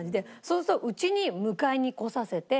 そうするとうちに迎えに来させて。